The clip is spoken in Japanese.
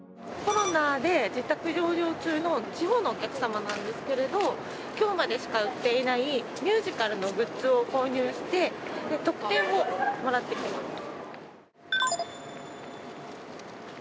コロナで自宅療養中の地方のお客様なんですけれど今日までしか売っていないミュージカルのグッズを購入して特典をもらってきます。